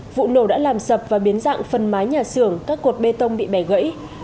vụ nổ đã làm sập và biến dạng phần mái nhà xưởng các cột bê tông bị bẻ gãy